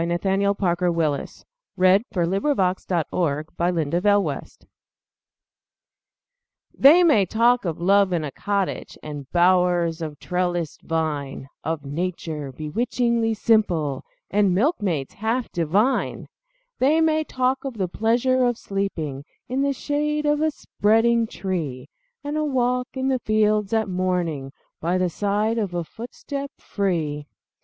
Nathaniel Parker Willis Love in a Cottage THEY may talk of love in a cottage And bowers of trellised vine Of nature bewitchingly simple, And milkmaids half divine; They may talk of the pleasure of sleeping In the shade of a spreading tree, And a walk in the fields at morning, By the side of a footstep free!